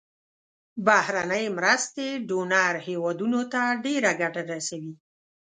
بهرنۍ مرستې ډونر هیوادونو ته ډیره ګټه رسوي.